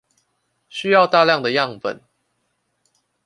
需要大量的樣本